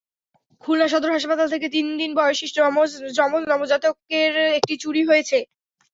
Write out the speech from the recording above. খুলনা সদর হাসপাতাল থেকে তিন দিন বয়সী যমজ নবজাতকের একটি চুরি হয়েছে।